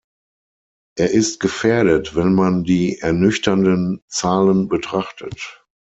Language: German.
Er ist gefährdet, wenn man die ernüchternden Zahlen betrachtet.